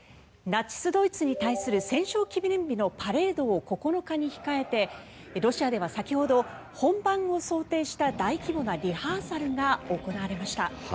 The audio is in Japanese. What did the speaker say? ナチス・ドイツに対する戦勝記念日のパレードを９日に控えてロシアでは先ほど本番を想定した大規模なリハーサルが行われました。